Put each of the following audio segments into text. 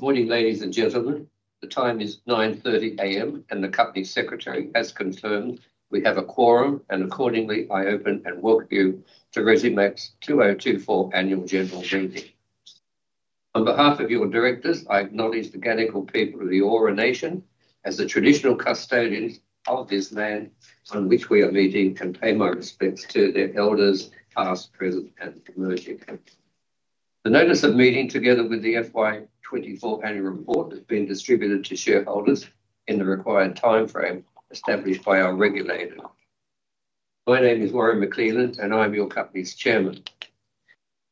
Good morning, ladies and gentlemen. The time is 9:30 A.M., and the company secretary has confirmed we have a quorum, and accordingly, I open and welcome you to Resimac's 2024 Annual General Meeting. On behalf of your directors, I acknowledge the Gadigal people of the Eora Nation as the traditional custodians of this land on which we are meeting and pay my respects to their elders past, present, and emerging. The notice of meeting together with the FY24 Annual Report has been distributed to shareholders in the required timeframe established by our regulator. My name is Warren McLeland, and I am your company's Chairman.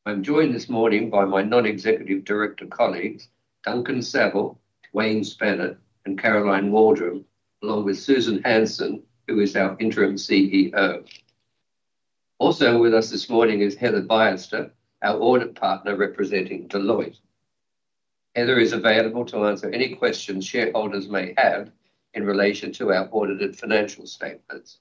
I'm joined this morning by my non-executive director colleagues, Duncan Saville, Wayne Spanner, and Caroline Waldron, along with Susan Hansen, who is our Interim CEO. Also with us this morning is Heather Baister, our audit partner representing Deloitte. Heather is available to answer any questions shareholders may have in relation to our audited financial statements.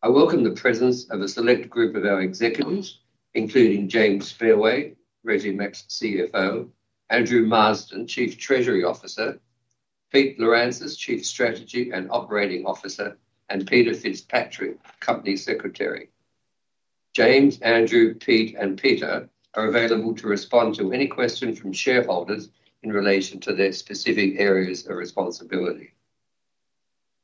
I welcome the presence of a select group of our executives, including James Spurway, Resimac's CFO, Andrew Marsden, Chief Treasury Officer, Pete Lirantzis, Chief Strategy and Operating Officer, and Peter Fitzpatrick, Company Secretary. James, Andrew, Pete, and Peter are available to respond to any questions from shareholders in relation to their specific areas of responsibility.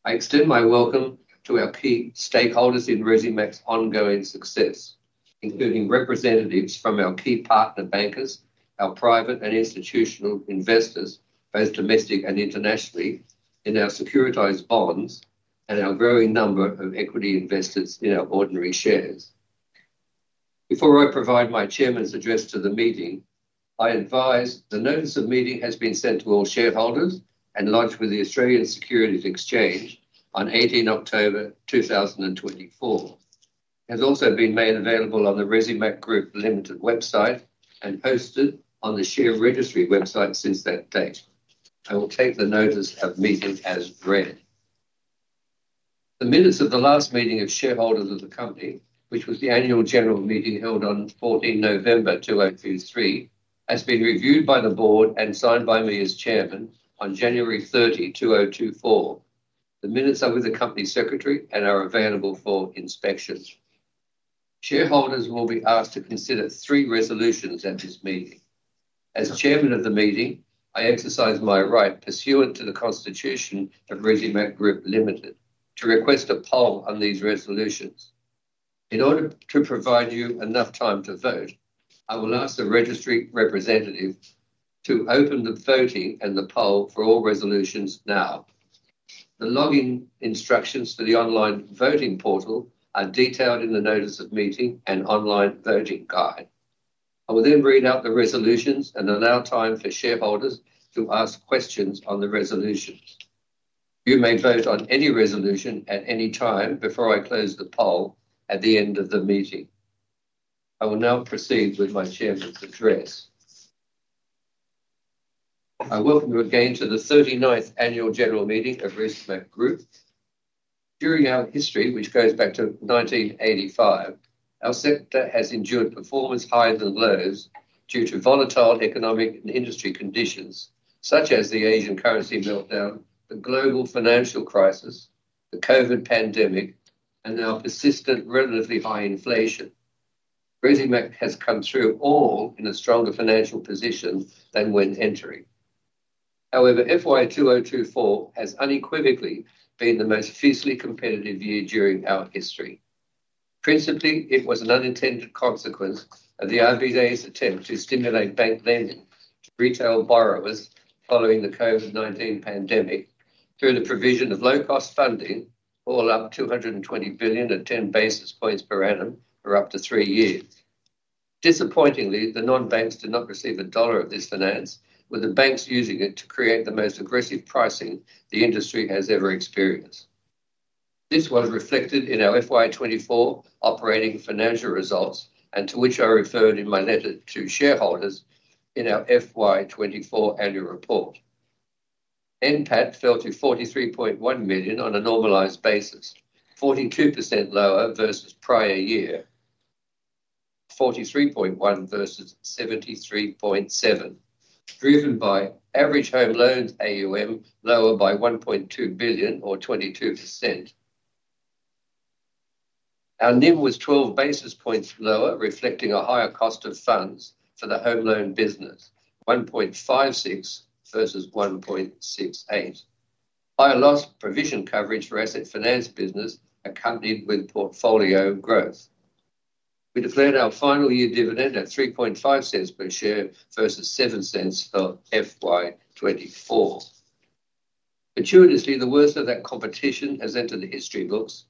I extend my welcome to our key stakeholders in Resimac's ongoing success, including representatives from our key partner bankers, our private and institutional investors, both domestic and internationally, in our securitized bonds and our growing number of equity investors in our ordinary shares. Before I provide my chairman's address to the meeting, I advise the notice of meeting has been sent to all shareholders and lodged with the Australian Securities Exchange on 18 October 2024. It has also been made available on the Resimac Group Limited website and posted on the share registry website since that date. I will take the notice of meeting as read. The minutes of the last meeting of shareholders of the company, which was the Annual General Meeting held on 14 November 2023, have been reviewed by the board and signed by me as chairman on January 30, 2024. The minutes are with the company secretary and are available for inspection. Shareholders will be asked to consider three resolutions at this meeting. As chairman of the meeting, I exercise my right pursuant to the Constitution of Resimac Group Limited to request a poll on these resolutions. In order to provide you enough time to vote, I will ask the registry representative to open the voting and the poll for all resolutions now. The login instructions for the online voting portal are detailed in the notice of meeting and online voting guide. I will then read out the resolutions and allow time for shareholders to ask questions on the resolutions. You may vote on any resolution at any time before I close the poll at the end of the meeting. I will now proceed with my chairman's address. I welcome you again to the 39th Annual General Meeting of Resimac Group. During our history, which goes back to 1985, our sector has endured performance highs and lows due to volatile economic and industry conditions such as the Asian currency meltdown, the global financial crisis, the COVID pandemic, and our persistent relatively high inflation. Resimac has come through all in a stronger financial position than when entering. However, FY2024 has unequivocally been the most fiercely competitive year during our history. Principally, it was an unintended consequence of the RBA's attempt to stimulate bank lending to retail borrowers following the COVID-19 pandemic through the provision of low-cost funding, all up to 220 billion at 10 basis points per annum for up to three years. Disappointingly, the non-banks did not receive a dollar of this finance, with the banks using it to create the most aggressive pricing the industry has ever experienced. This was reflected in our FY24 operating financial results and to which I referred in my letter to shareholders in our FY24 Annual Report. NPAT fell to 43.1 million on a normalized basis, 42% lower versus prior year, 43.1 versus 73.7, driven by average home loans AUM lower by 1.2 billion, or 22%. Our NIM was 12 basis points lower, reflecting a higher cost of funds for the home loan business, 1.56 versus 1.68. Higher loss provision coverage for asset finance business accompanied with portfolio growth. We declared our final year dividend at 0.035 per share versus 0.07 for FY24. Fortuitously, the worst of that competition has entered the history books,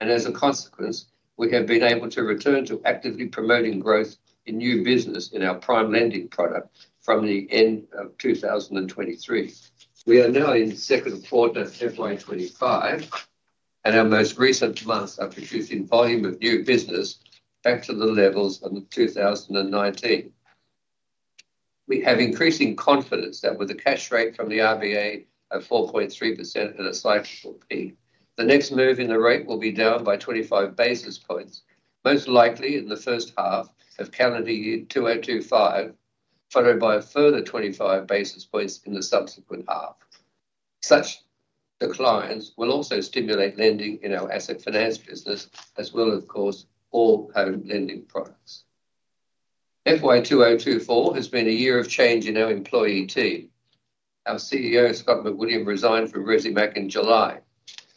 and as a consequence, we have been able to return to actively promoting growth in new business in our prime lending product from the end of 2023. We are now in second quarter FY25, and our most recent months are producing volume of new business back to the levels of 2019. We have increasing confidence that with a cash rate from the RBA of 4.3% at a cyclical peak, the next move in the rate will be down by 25 basis points, most likely in the first half of calendar year 2025, followed by a further 25 basis points in the subsequent half. Such declines will also stimulate lending in our asset finance business, as will, of course, all home lending products. FY2024 has been a year of change in our employee team. Our CEO, Scott McWilliam, resigned from Resimac in July.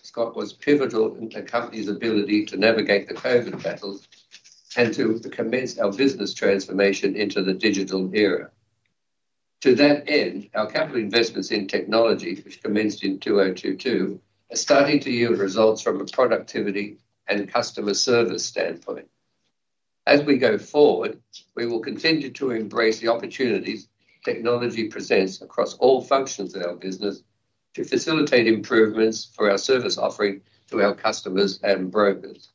Scott was pivotal in the company's ability to navigate the COVID battle and to commence our business transformation into the digital era. To that end, our capital investments in technology, which commenced in 2022, are starting to yield results from a productivity and customer service standpoint. As we go forward, we will continue to embrace the opportunities technology presents across all functions of our business to facilitate improvements for our service offering to our customers and brokers.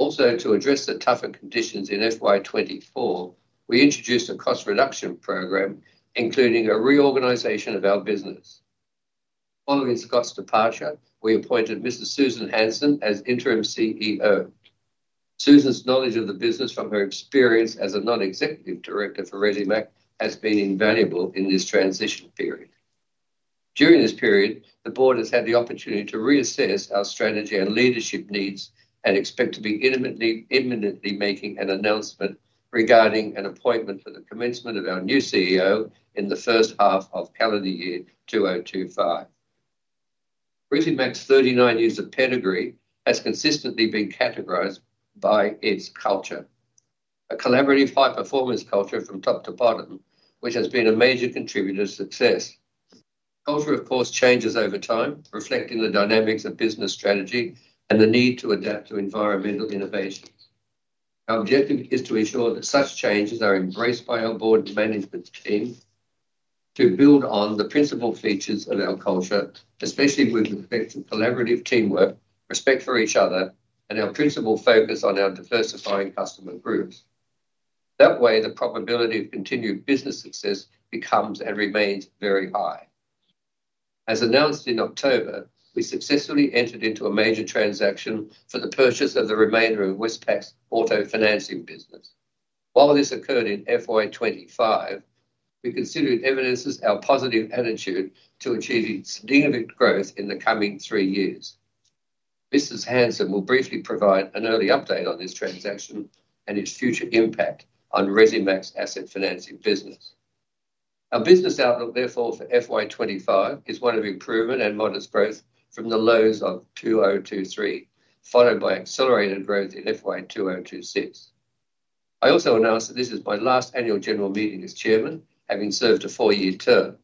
Also, to address the tougher conditions in FY24, we introduced a cost reduction program, including a reorganization of our business. Following Scott's departure, we appointed Mrs. Susan Hansen as interim CEO. Susan's knowledge of the business from her experience as a non-executive director for Resimac has been invaluable in this transition period. During this period, the board has had the opportunity to reassess our strategy and leadership needs and expect to be imminently making an announcement regarding an appointment for the commencement of our new CEO in the first half of calendar year 2025. Resimac's 39 years of pedigree has consistently been categorized by its culture, a collaborative high-performance culture from top to bottom, which has been a major contributor to success. Culture, of course, changes over time, reflecting the dynamics of business strategy and the need to adapt to environmental innovation. Our objective is to ensure that such changes are embraced by our board management team to build on the principal features of our culture, especially with respect to collaborative teamwork, respect for each other, and our principal focus on our diversifying customer groups. That way, the probability of continued business success becomes and remains very high. As announced in October, we successfully entered into a major transaction for the purchase of the remainder of Westpac's auto financing business. While this occurred in FY25, we considered evidence of our positive attitude to achieve significant growth in the coming three years. Mrs. Hansen will briefly provide an early update on this transaction and its future impact on Resimac's asset financing business. Our business outlook, therefore, for FY25 is one of improvement and modest growth from the lows of 2023, followed by accelerated growth in FY2026. I also announce that this is my last Annual General Meeting as Chairman, having served a four-year term.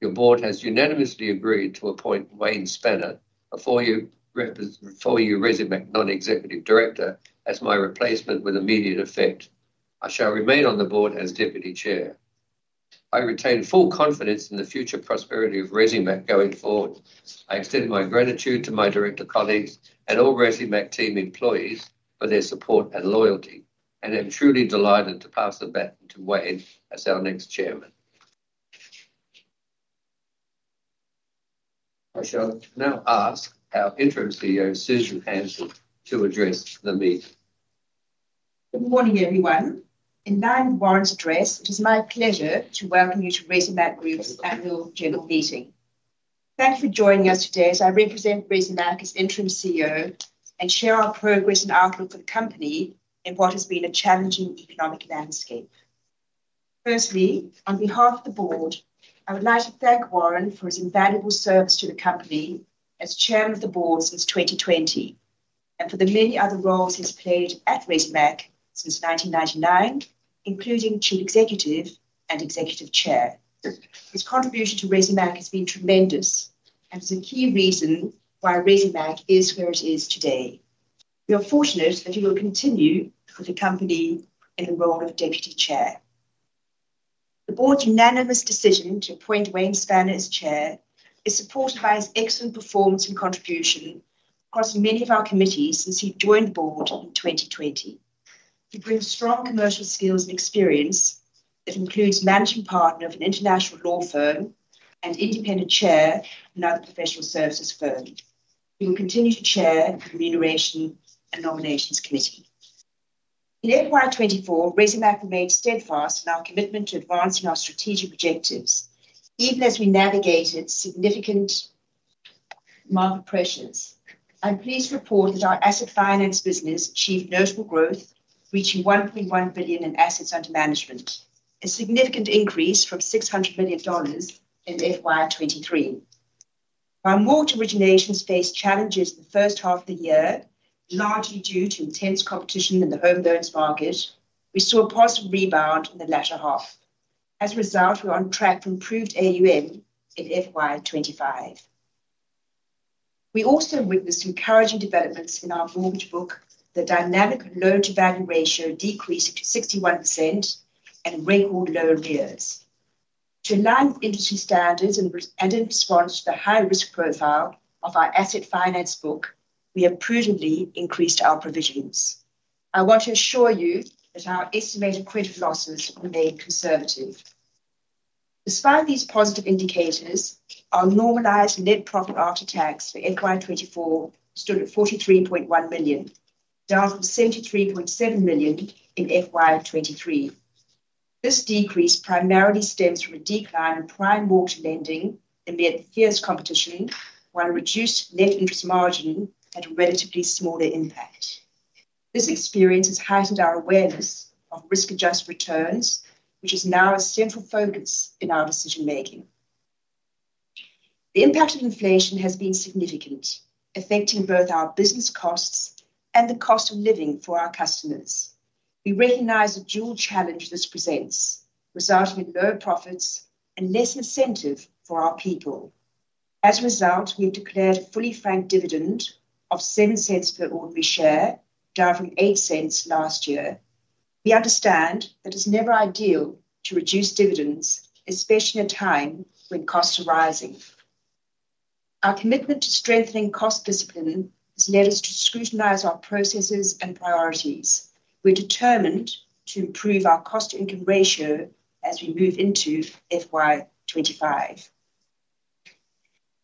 Your board has unanimously agreed to appoint Wayne Spanner, a four-year Resimac non-executive director, as my replacement with immediate effect. I shall remain on the board as Deputy Chair. I retain full confidence in the future prosperity of Resimac going forward. I extend my gratitude to my director colleagues and all Resimac team employees for their support and loyalty, and am truly delighted to pass the baton to Wayne as our next Chairman. I shall now ask our Interim CEO, Susan Hansen, to address the meeting. Good morning, everyone. In line with Warren's address, it is my pleasure to welcome you to Resimac Group's Annual General Meeting. Thank you for joining us today as I represent Resimac as Interim CEO and share our progress and outlook for the company in what has been a challenging economic landscape. Firstly, on behalf of the board, I would like to thank Warren for his invaluable service to the company as Chairman of the Board since 2020 and for the many other roles he's played at Resimac since 1999, including Chief Executive and Executive Chair. His contribution to Resimac has been tremendous and is a key reason why Resimac is where it is today. We are fortunate that he will continue with the company in the role of deputy chair. The board's unanimous decision to appoint Wayne Spanner as chair is supported by his excellent performance and contribution across many of our committees since he joined the board in 2020. He brings strong commercial skills and experience that includes managing partner of an international law firm and independent chair of another professional services firm. He will continue to chair the Remuneration and Nominations Committee. In FY24, Resimac remained steadfast in our commitment to advancing our strategic objectives, even as we navigated significant market pressures. I'm pleased to report that our asset finance business achieved notable growth, reaching 1.1 billion in assets under management, a significant increase from 600 million dollars in FY23. While mortgage originations faced challenges in the first half of the year, largely due to intense competition in the home loans market, we saw a positive rebound in the latter half. As a result, we're on track for improved AUM in FY25. We also witnessed encouraging developments in our mortgage book, the dynamic loan-to-value ratio decreased to 61% and record low arrears. To align with industry standards and in response to the high-risk profile of our asset finance book, we have prudently increased our provisions. I want to assure you that our estimated credit losses remain conservative. Despite these positive indicators, our normalized net profit after tax for FY24 stood at 43.1 million, down from 73.7 million in FY23. This decrease primarily stems from a decline in prime mortgage lending amid fierce competition, while reduced net interest margin had a relatively smaller impact. This experience has heightened our awareness of risk-adjusted returns, which is now a central focus in our decision-making. The impact of inflation has been significant, affecting both our business costs and the cost of living for our customers. We recognize the dual challenge this presents, resulting in lower profits and less incentive for our people. As a result, we have declared a fully franked dividend of 0.07 per ordinary share, down from 0.08 last year. We understand that it's never ideal to reduce dividends, especially at a time when costs are rising. Our commitment to strengthening cost discipline has led us to scrutinize our processes and priorities. We're determined to improve our cost-to-income ratio as we move into FY25.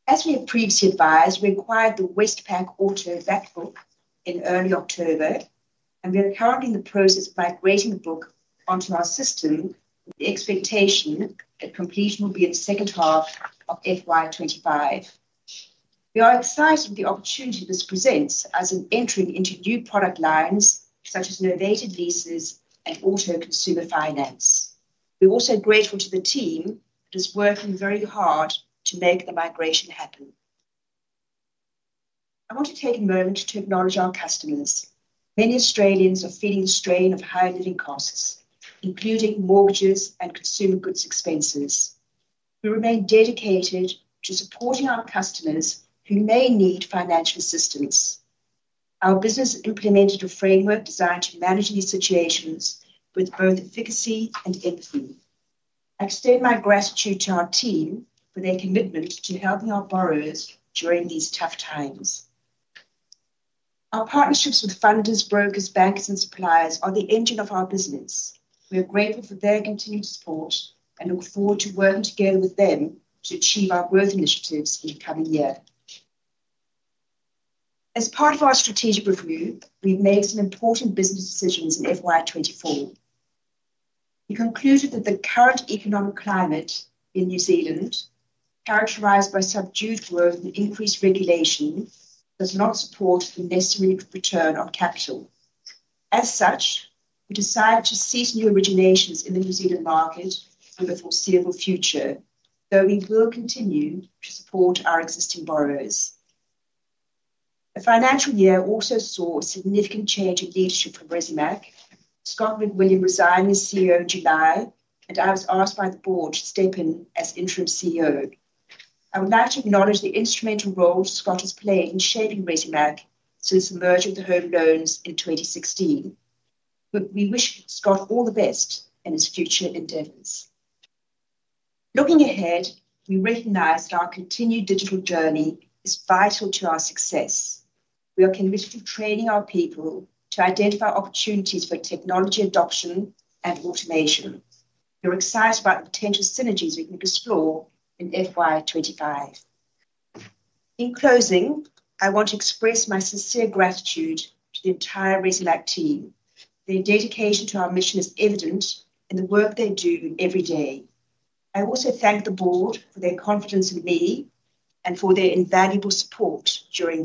As we have previously advised, we acquired the Westpac auto finance book in early October, and we are currently in the process of migrating the book onto our system with the expectation that completion will be in the second half of FY25. We are excited with the opportunity this presents as an entry into new product lines such as novated leases and auto consumer finance. We're also grateful to the team that is working very hard to make the migration happen. I want to take a moment to acknowledge our customers. Many Australians are feeling the strain of higher living costs, including mortgages and consumer goods expenses. We remain dedicated to supporting our customers who may need financial assistance. Our business implemented a framework designed to manage these situations with both efficacy and empathy. I extend my gratitude to our team for their commitment to helping our borrowers during these tough times. Our partnerships with funders, brokers, bankers, and suppliers are the engine of our business. We are grateful for their continued support and look forward to working together with them to achieve our growth initiatives in the coming year. As part of our strategic review, we've made some important business decisions in FY24. We concluded that the current economic climate in New Zealand, characterized by subdued growth and increased regulation, does not support the necessary return on capital. As such, we decided to seek new originations in the New Zealand market for the foreseeable future, though we will continue to support our existing borrowers. The financial year also saw a significant change in leadership from Resimac. Scott McWilliam resigned as CEO in July, and I was asked by the board to step in as interim CEO. I would like to acknowledge the instrumental role Scott has played in shaping Resimac since the merger of the home loans in 2016. We wish Scott all the best in his future endeavors. Looking ahead, we recognize that our continued digital journey is vital to our success. We are committed to training our people to identify opportunities for technology adoption and automation. We're excited about the potential synergies we can explore in FY25. In closing, I want to express my sincere gratitude to the entire Resimac team. Their dedication to our mission is evident in the work they do every day. I also thank the board for their confidence in me and for their invaluable support during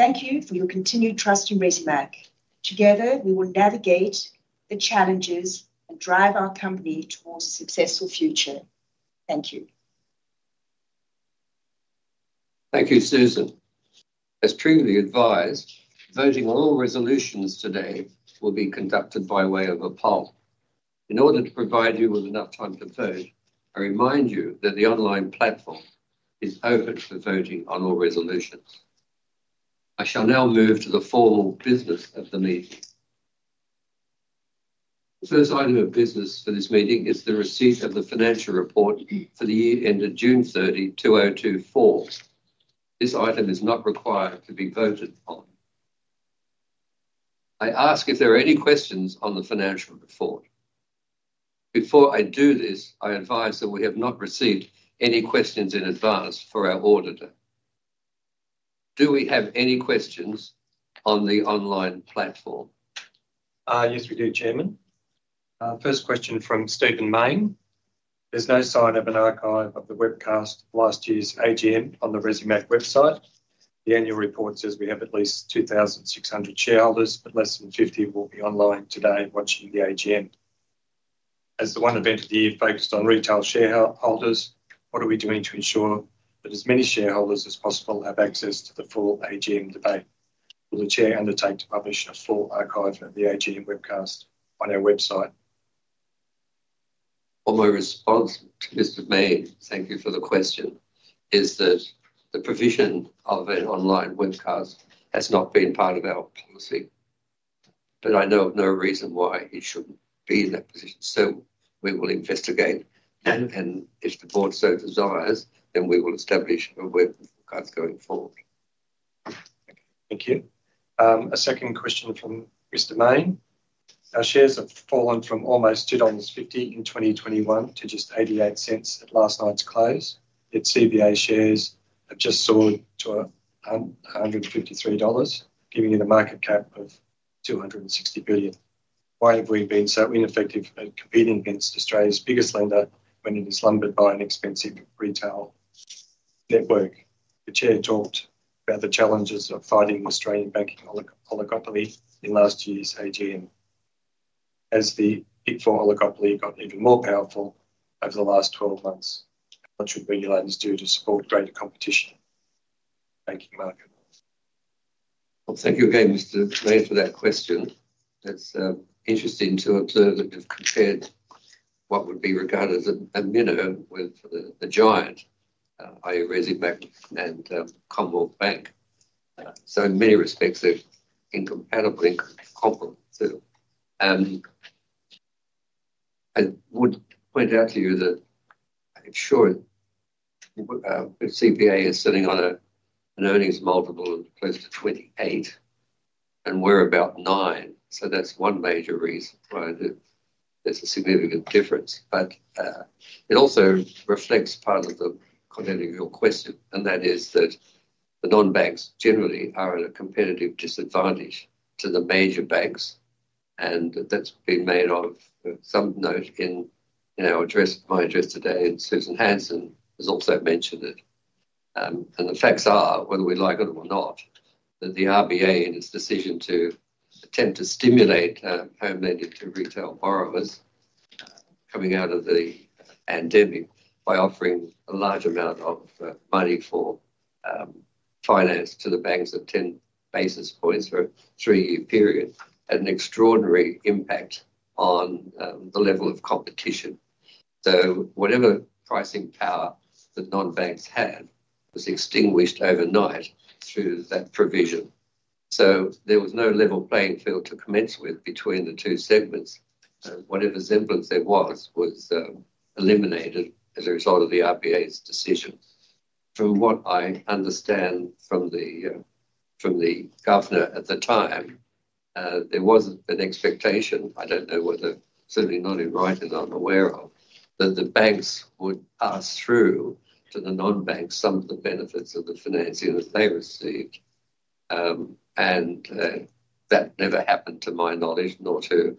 this transition. Thank you for your continued trust in Resimac. Together, we will navigate the challenges and drive our company towards a successful future. Thank you. Thank you, Susan. As previously advised, voting on all resolutions today will be conducted by way of a poll. In order to provide you with enough time to vote, I remind you that the online platform is open for voting on all resolutions. I shall now move to the formal business of the meeting. The first item of business for this meeting is the receipt of the financial report for the year ended June 30, 2024. This item is not required to be voted on. I ask if there are any questions on the financial report. Before I do this, I advise that we have not received any questions in advance for our auditor. Do we have any questions on the online platform? Yes, we do, Chairman. First question from Stephen Mayne. There's no sign of an archive of the webcast last year's AGM on the Resimac website. The annual report says we have at least 2,600 shareholders, but less than 50 will be online today watching the AGM. As the one event of the year focused on retail shareholders, what are we doing to ensure that as many shareholders as possible have access to the full AGM debate? Will the Chair undertake to publish a full archive of the AGM webcast on our website? My response to Mr. Mayne, thank you for the question, is that the provision of an online webcast has not been part of our policy, but I know of no reason why he shouldn't be in that position, so we will investigate, and if the board so desires, then we will establish a webcast going forward. Thank you. A second question from Mr. Mayne. Our shares have fallen from almost 2.50 dollars in 2021 to just 0.88 at last night's close. Its CBA shares have just soared to 153 dollars, giving it a market cap of 260 billion. Why have we been so ineffective at competing against Australia's biggest lender when it is lumbered by an expensive retail network? The Chair talked about the challenges of fighting the Australian banking oligopoly in last year's AGM, as the big four oligopoly got even more powerful over the last 12 months. What should regulators do to support greater competition? Thank you, Mark. Thank you again, Mr. Mayne, for that question. It's interesting to observe that you've compared what would be regarded as a minor with the giant, i.e., Resimac and Commonwealth Bank. So in many respects, they're incompatible and incompatible. I would point out to you that I'm sure the CBA is sitting on an earnings multiple of close to 28, and we're about nine, so that's one major reason why there's a significant difference. But it also reflects part of the content of your question, and that is that the non-banks generally are at a competitive disadvantage to the major banks, and that's been made note of in our address. My address today, and Susan Hansen has also mentioned it. And the facts are, whether we like it or not, that the RBA in its decision to attempt to stimulate home lending to retail borrowers coming out of the pandemic by offering a large amount of money for finance to the banks at 10 basis points for a three-year period had an extraordinary impact on the level of competition. So whatever pricing power that non-banks had was extinguished overnight through that provision. So there was no level playing field to commence with between the two segments. Whatever semblance there was, was eliminated as a result of the RBA's decision. From what I understand from the governor at the time, there was an expectation - I don't know whether certainly not in writing, I'm aware of - that the banks would pass through to the non-banks some of the benefits of the financing that they received. That never happened to my knowledge, nor to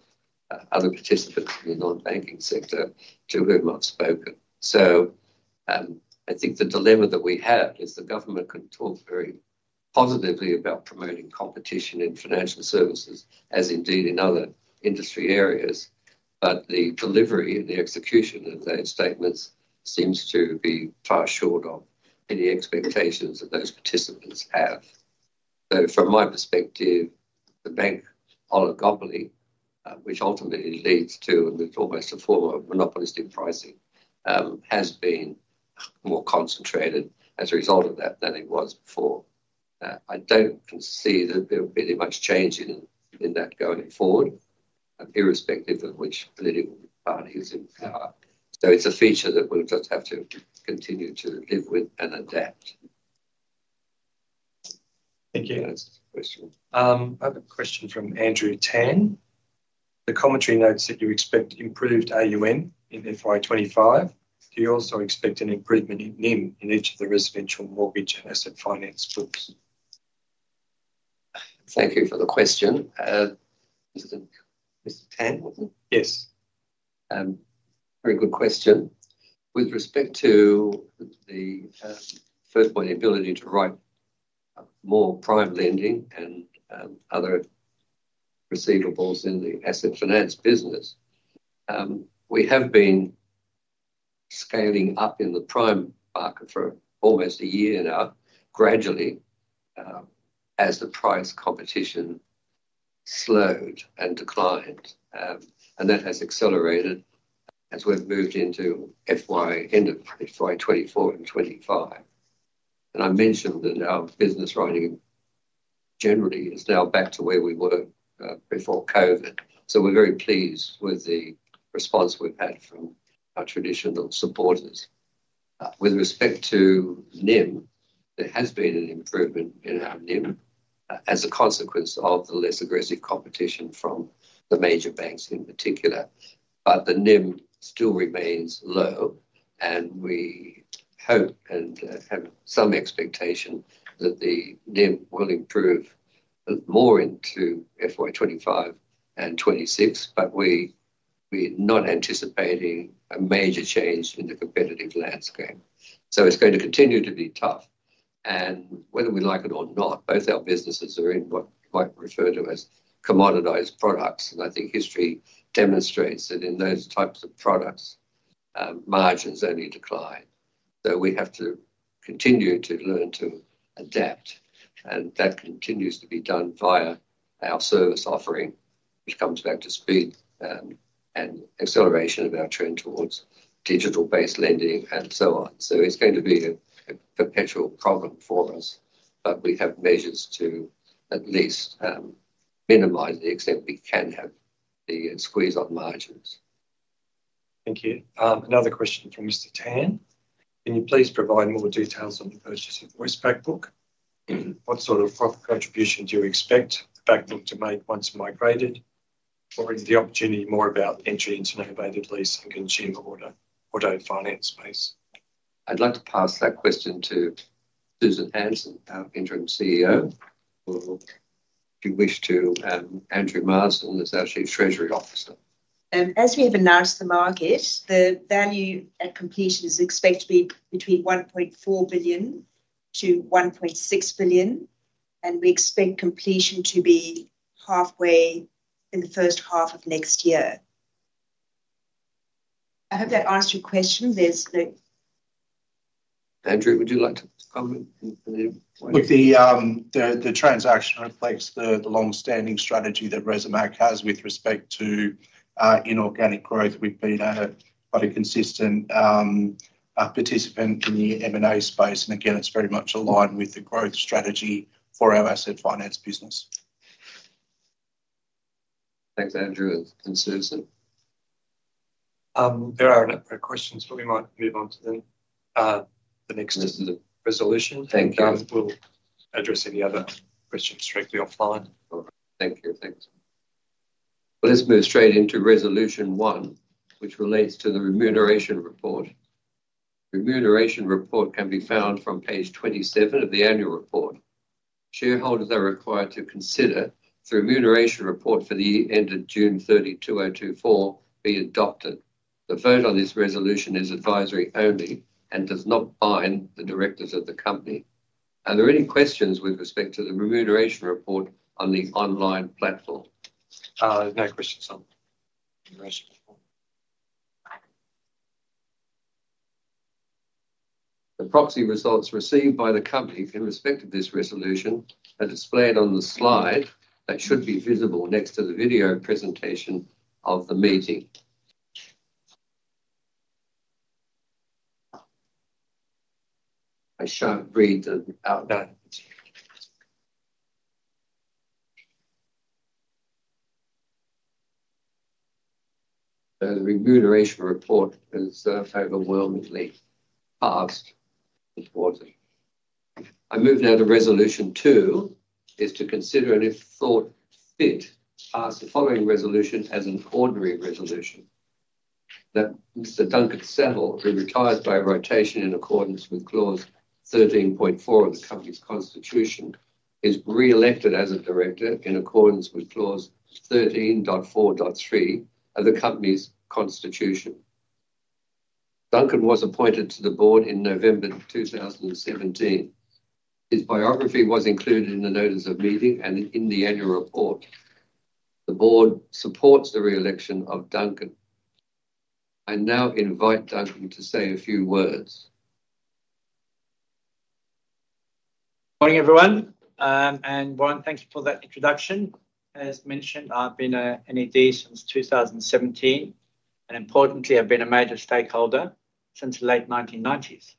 other participants in the non-banking sector to whom I've spoken. I think the dilemma that we have is the government can talk very positively about promoting competition in financial services, as indeed in other industry areas, but the delivery and the execution of those statements seems to be far short of any expectations that those participants have. Though from my perspective, the bank oligopoly, which ultimately leads to almost a form of monopolistic pricing, has been more concentrated as a result of that than it was before. I don't see that there'll be any much change in that going forward, irrespective of which political party is in power. It's a feature that we'll just have to continue to live with and adapt. Thank you. I have a question from Andrew Tan. The commentary notes that you expect improved AUM in FY25. Do you also expect an improvement in NIM in each of the residential mortgage and asset finance books? Thank you for the question. Mr. Tan? Yes. Very good question. With respect to the first point, the ability to write more prime lending and other receivables in the asset finance business, we have been scaling up in the prime market for almost a year now, gradually, as the price competition slowed and declined, and that has accelerated as we've moved into FY24 and FY25, and I mentioned that our business writing generally is now back to where we were before COVID, so we're very pleased with the response we've had from our traditional supporters. With respect to NIM, there has been an improvement in our NIM as a consequence of the less aggressive competition from the major banks in particular, but the NIM still remains low, and we hope and have some expectation that the NIM will improve more into FY25 and FY26, but we're not anticipating a major change in the competitive landscape. So it's going to continue to be tough. And whether we like it or not, both our businesses are in what we might refer to as commoditized products, and I think history demonstrates that in those types of products, margins only decline. So we have to continue to learn to adapt, and that continues to be done via our service offering, which comes back to speed and acceleration of our trend towards digital-based lending and so on. So it's going to be a perpetual problem for us, but we have measures to at least minimize the extent we can have the squeeze on margins. Thank you. Another question from Mr. Tan. Can you please provide more details on the purchase of the Westpac book? What sort of profit contribution do you expect the book to make once migrated? Or is the opportunity more about entry into a novated lease and consumer auto finance space? I'd like to pass that question to Susan Hansen, our Interim CEO, or if you wish to Andrew Marsden, who's our Chief Treasury Officer. As we have announced the market, the value at completion is expected to be between 1.4 billion to 1.6 billion, and we expect completion to be halfway in the first half of next year. I hope that answers your question. There's no. Andrew, would you like to comment on the? Would the transaction reflect the long-standing strategy that Resimac has with respect to inorganic growth? We've been quite a consistent participant in the M&A space, and again, it's very much aligned with the growth strategy for our asset finance business. Thanks, Andrew and Susan. There are a number of questions, but we might move on to the next resolution. Thank you. We'll address any other questions directly offline. Thank you. Thanks. Let's move straight into resolution one, which relates to the Remuneration Report. The Remuneration Report can be found from page 27 of the annual report. Shareholders are required to consider the Remuneration Report for the year ended June 30, 2024, be adopted. The vote on this resolution is advisory only and does not bind the directors of the company. Are there any questions with respect to the Remuneration Report on the online platform? There's no questions on the resolution. The proxy results received by the company in respect of this resolution are displayed on the slide that should be visible next to the video presentation of the meeting. I shall read them out loud. The Remuneration Report is overwhelmingly passed. I move now to resolution two, which is to consider and if thought fit, pass the following resolution as an ordinary resolution. That Mr. Duncan Saville, who retired by rotation in accordance with clause 13.4 of the company's constitution, is re-elected as a director in accordance with clause 13.4.3 of the company's constitution. Duncan was appointed to the Board in November 2017. His biography was included in the Notice of Meeting and in the Annual Report. The Board supports the re-election of Duncan. I now invite Duncan to say a few words. Morning, everyone. And Warren, thank you for that introduction. As mentioned, I've been an NED since 2017, and importantly, I've been a major stakeholder since the late 1990s.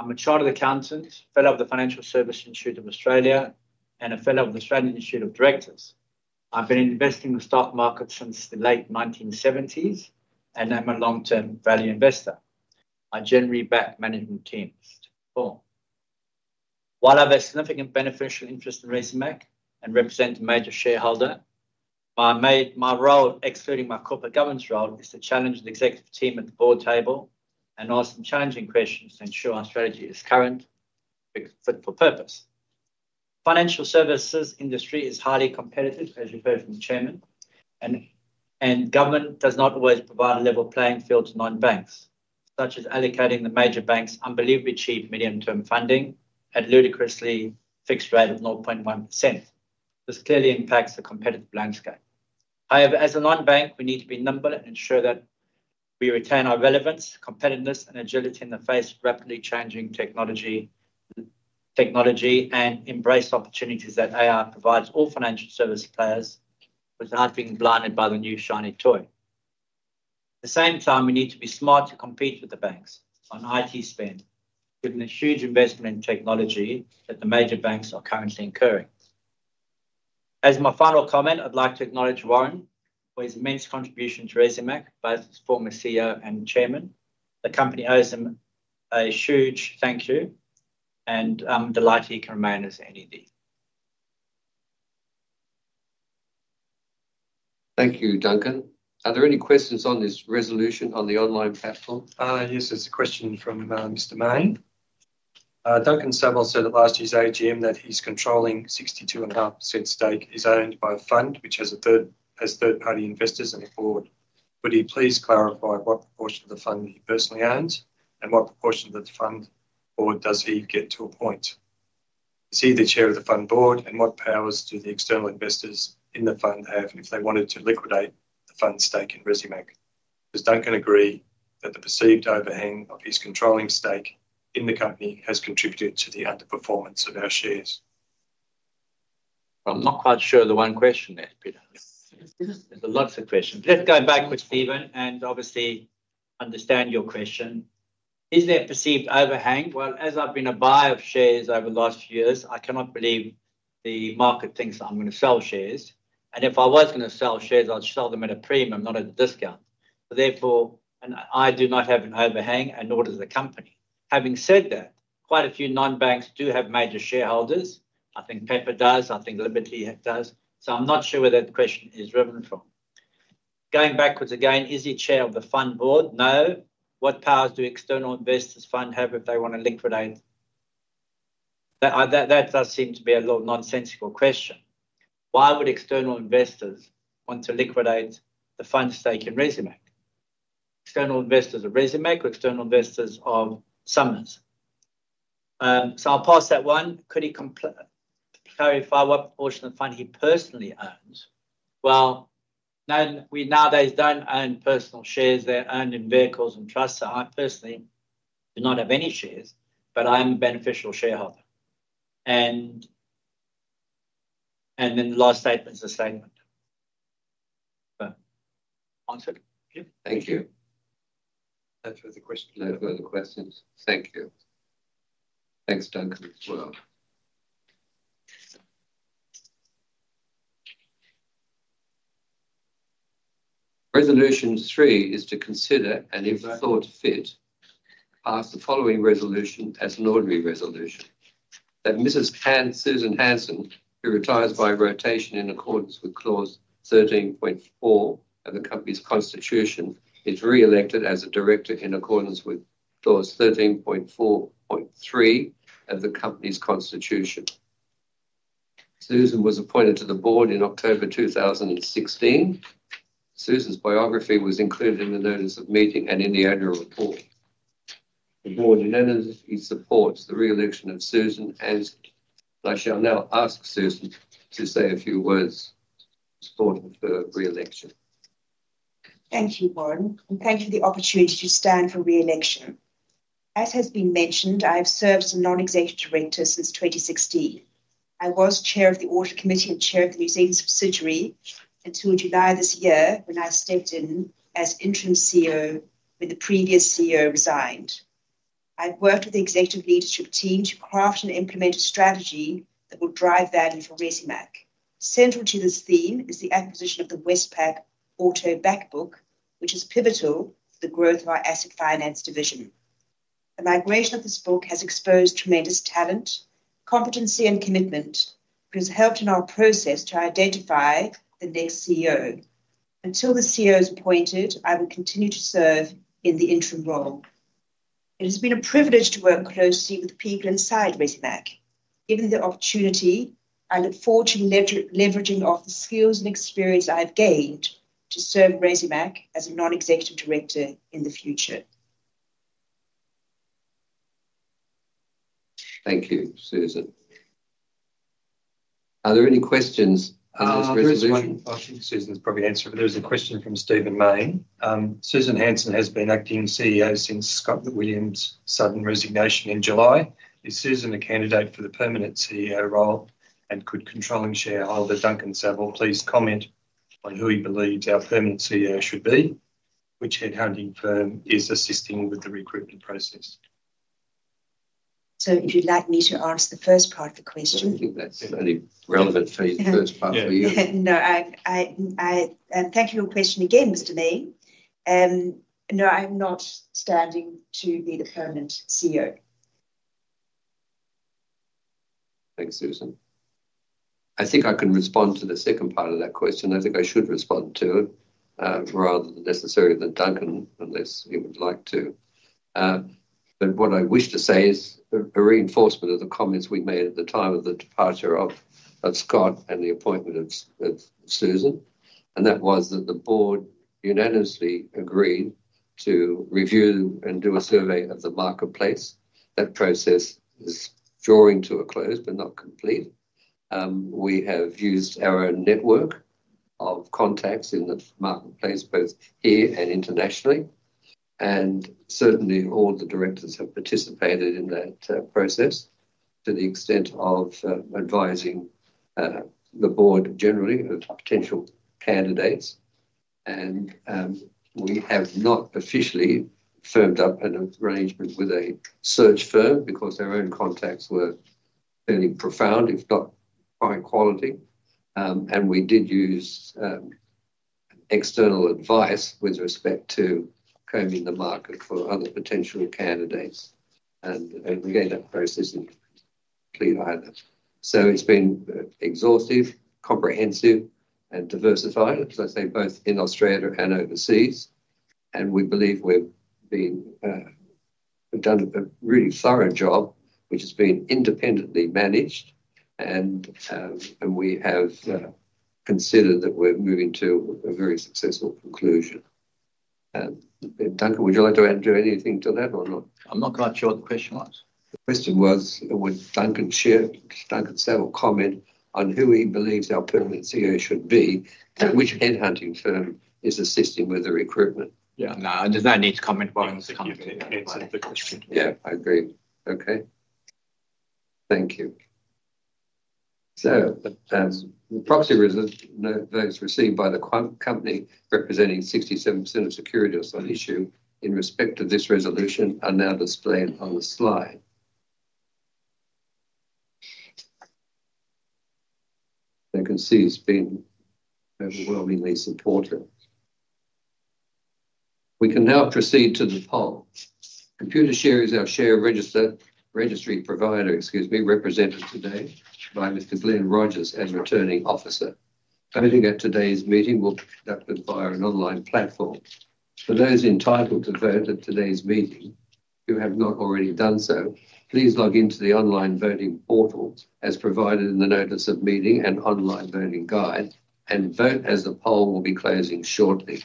I'm a chartered accountant, fellow of the Financial Services Institute of Australia, and a fellow of the Australian Institute of Company Directors. I've been investing in the stock market since the late 1970s, and I'm a long-term value investor. I generally back management teams. While I have a significant beneficial interest in Resimac and represent a major shareholder, my role, excluding my corporate governance role, is to challenge the executive team at the board table and ask some challenging questions to ensure our strategy is current and fit for purpose. The financial services industry is highly competitive, as you heard from the chairman, and government does not always provide a level playing field to non-banks, such as allocating the major banks unbelievably cheap medium-term funding at a ludicrously fixed rate of 0.1%. This clearly impacts the competitive landscape. However, as a non-bank, we need to be nimble and ensure that we retain our relevance, competitiveness, and agility in the face of rapidly changing technology and embrace opportunities that AI provides all financial service players, without being blinded by the new shiny toy. At the same time, we need to be smart to compete with the banks on IT spend, given the huge investment in technology that the major banks are currently incurring. As my final comment, I'd like to acknowledge Warren, for his immense contribution to Resimac, both as former CEO and chairman. The company owes him a huge thank you, and I'm delighted he can remain as NED. Thank you, Duncan. Are there any questions on this resolution on the online platform? Yes, there's a question from Mr. Mayne. Duncan Saville said at last year's AGM that he's controlling a 62.5% stake that is owned by a fund which has third-party investors on the board. Would he please clarify what proportion of the fund he personally owns, and what proportion of the fund board does he get to appoint? Is he the chair of the fund board, and what powers do the external investors in the fund have if they wanted to liquidate the fund stake in Resimac? Does Duncan agree that the perceived overhang of his controlling stake in the company has contributed to the underperformance of our shares? I'm not quite sure the one question there, Peter. There's lots of questions. Let's go backwards, Stephen, and obviously understand your question. Is there perceived overhang? Well, as I've been a buyer of shares over the last few years, I cannot believe the market thinks that I'm going to sell shares. And if I was going to sell shares, I'd sell them at a premium, not at a discount. Therefore, I do not have an overhang and nor does the company. Having said that, quite a few non-banks do have major shareholders. I think Pepper does. I think Liberty does. So I'm not sure where that question is driven from. Going backwards again, is he chair of the fund board? No. What powers do external investors' funds have if they want to liquidate? That does seem to be a little nonsensical question. Why would external investors want to liquidate the fund stake in Resimac? External investors of Resimac or external investors of Somers? So I'll pass that one. Could he clarify what proportion of the fund he personally owns? Well, we nowadays don't own personal shares. They're owned in vehicles and trusts. So I personally do not have any shares, but I am a beneficial shareholder. And then the last statement is a statement. Answered? Thank you. That was the question. No further questions. Thank you. Thanks, Duncan, as well. Resolution three is to consider and if thought fit, pass the following resolution as an ordinary resolution. That Mrs. Susan Hansen, who retires by rotation in accordance with clause 13.4 of the company's constitution, is re-elected as a director in accordance with clause 13.4.3 of the company's constitution. Susan was appointed to the board in October 2016. Susan's biography was included in the notice of meeting and in the annual report. The board unanimously supports the re-election of Susan, and I shall now ask Susan to say a few words in support of her re-election. Thank you, Warren, and thank you for the opportunity to stand for re-election. As has been mentioned, I have served as a non-executive director since 2016. I was chair of the Audit Committee and chair of the Risk Committee until July this year when I stepped in as Interim CEO when the previous CEO resigned. I've worked with the executive leadership team to craft and implement a strategy that will drive value for Resimac. Central to this theme is the acquisition of the Westpac Auto back book, which is pivotal to the growth of our asset finance division. The migration of this book has exposed tremendous talent, competency, and commitment, which has helped in our process to identify the next CEO. Until the CEO is appointed, I will continue to serve in the interim role. It has been a privilege to work closely with the people inside Resimac. Given the opportunity, I look forward to leveraging the skills and experience I have gained to serve Resimac as a non-executive director in the future. Thank you, Susan. Are there any questions on this resolution? There's a question. Susan's probably answered it, but there's a question from Stephen Mayne. Susan Hansen has been acting CEO since Scott McWilliam's sudden resignation in July. Is Susan a candidate for the permanent CEO role and could controlling shareholder Duncan Saville please comment on who he believes our permanent CEO should be? Which headhunting firm is assisting with the recruitment process? So if you'd like me to answer the first part of the question. Thank you. That's a relevant feed first part for you. No, thank you for your question again, Mr. Mayne. No, I'm not standing to be the permanent CEO. Thanks, Susan. I think I can respond to the second part of that question. I think I should respond to it rather than Duncan, unless he would like to. What I wish to say is a reinforcement of the comments we made at the time of the departure of Scott and the appointment of Susan. That was that the board unanimously agreed to review and do a survey of the marketplace. That process is drawing to a close, but not complete. We have used our network of contacts in the marketplace, both here and internationally. Certainly, all the directors have participated in that process to the extent of advising the board generally of potential candidates. We have not officially firmed up an arrangement with a search firm because our own contacts were fairly profound, if not high quality. And we did use external advice with respect to combing the market for other potential candidates. And again, that process is complete, too. So it's been exhaustive, comprehensive, and diversified, as I say, both in Australia and overseas. And we believe we've done a really thorough job, which has been independently managed. And we have concluded that we're moving to a very successful conclusion. Duncan, would you like to add anything to that or not? I'm not quite sure what the question was. The question was, would Duncan Saville comment on who he believes our permanent CEO should be and which headhunting firm is assisting with the recruitment? Yeah. No, I do not need to comment on the company. Yeah, I agree. Okay. Thank you. So the proxy results received by the company representing 67% of securities on issue in respect of this resolution are now displayed on the slide. I can see it's been overwhelmingly supportive. We can now proceed to the poll. Computershare is our share registry provider, excuse me, represented today by Mr. Glenn Rogers as returning officer. Voting at today's meeting will be conducted via an online platform. For those entitled to vote at today's meeting, who have not already done so, please log into the online voting portal as provided in the notice of meeting and online voting guide, and vote as the poll will be closing shortly.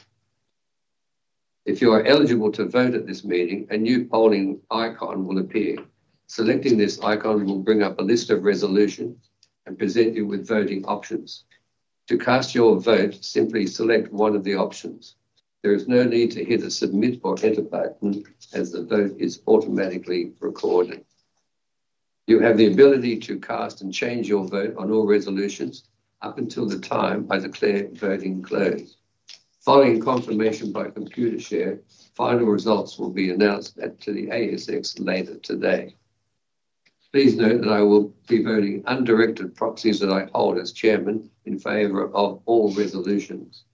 If you are eligible to vote at this meeting, a new polling icon will appear. Selecting this icon will bring up a list of resolutions and present you with voting options. To cast your vote, simply select one of the options. There is no need to hit the submit or enter button as the vote is automatically recorded. You have the ability to cast and change your vote on all resolutions up until the time of the clear voting close. Following confirmation by Computershare, final results will be announced to the ASX later today. Please note that I will be voting undirected proxies that I hold as chairman in favor of all resolutions.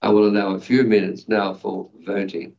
I will allow a few minutes now for voting.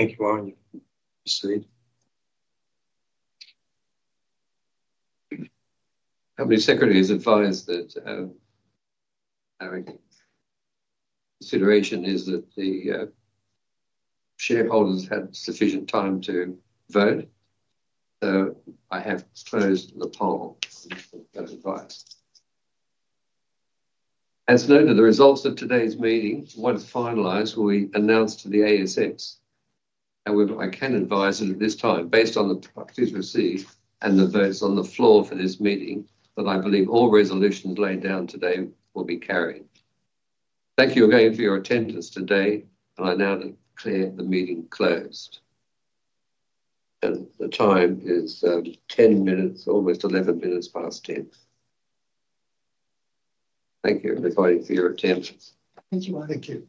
Thank you, Warren. Have the secretary's advice that consideration is that the shareholders had sufficient time to vote. So I have closed the poll with that advice. As noted, the results of today's meeting, once finalized, will be announced to the ASX. However, I can advise that at this time, based on the proxies received and the votes on the floor for this meeting, that I believe all resolutions laid down today will be carried. Thank you again for your attendance today, and I now declare the meeting closed. And the time is 10 minutes, almost 11 minutes past 10. Thank you everybody for your attendance. Thank you.